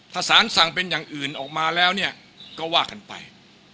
ถ้าสารสั่งเป็นอย่างอื่นออกมาแล้วเนี่ยก็ว่ากันไป